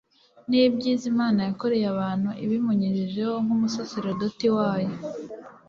n'ibyiza imana yakoreye abantu ibimunyujijeho nk'umusaserdoti wayo